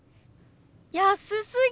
安すぎ！